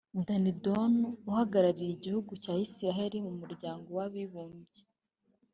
Danny Danon uhagarariye igihugu cya Israel mu Muryango w’Abibumbye